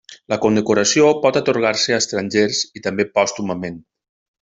La condecoració pot atorgar-se a estrangers i també pòstumament.